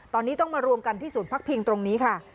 ตอนนี้ต้องมารวมกันที่ศูนย์พักพิงตรงนี้ค่ะ